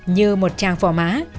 như một tràng phỏ má